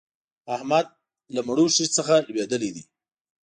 احمد له مړوښې څخه لوېدلی دی.